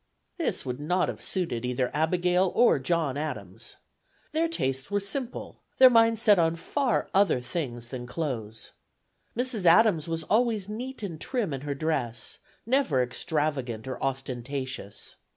" This would not have suited either Abigail or John Adams. Their tastes were simple, their minds set on far other things than clothes. Mrs. Adams was always neat and trim in her dress, never extravagant or ostentatious.